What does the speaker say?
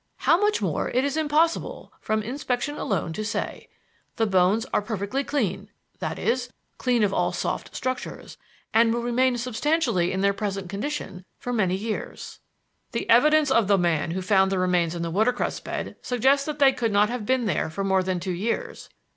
How much more it is impossible from inspection alone to say. The bones are perfectly clean that is, clean of all soft structures and will remain substantially in their present condition for many years." "The evidence of the man who found the remains in the watercress bed suggests that they could not have been there for more than two years.